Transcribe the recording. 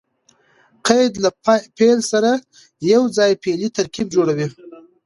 قید له فعل سره یوځای فعلي ترکیب جوړوي.